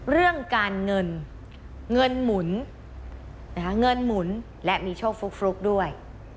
เรื่องการเงินเงินหมุนเงินหมุนและมีโชคฟลุกด้วย